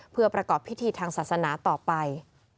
เพื่อประกอบพิธีทางศาสนาต่อไป